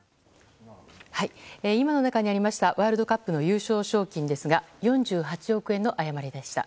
今の中にありましたワールドカップの優勝賞金ですが４８億円の誤りでした。